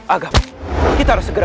agam kita harus segera